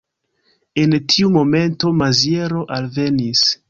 En tiu momento Maziero alvenis.